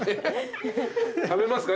食べますか？